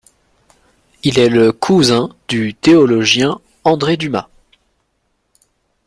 Il est le cousin du théologien André Dumas.